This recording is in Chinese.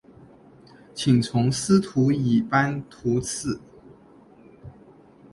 请从司徒以班徙次。